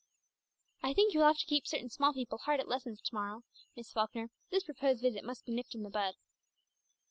"I think you will have to keep certain small people hard at lessons to morrow, Miss Falkner. This proposed visit must be nipped in the bud."